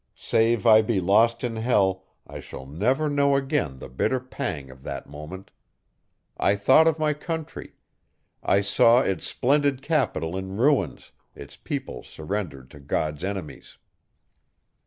Save I be lost in hell, I shall never know again the bitter pang of that moment. I thought of my country. I saw its splendid capital in ruins; its people surrendered to God's enemies.